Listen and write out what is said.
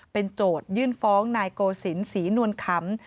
เป็นโจทยื่นฟ้องนายโกศิลปศรีนวลคำ